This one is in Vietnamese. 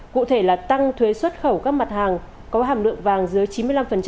cụ thể là tăng thuế xuất khẩu các mặt hàng có hàm lượng vàng dưới chín mươi năm